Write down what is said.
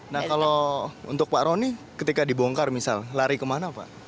nah kalau untuk pak roni ketika dibongkar misal lari kemana pak